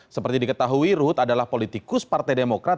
seperti diketahui ruhut adalah politikus partai demokrat